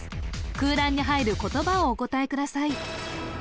空欄に入る言葉をお答えください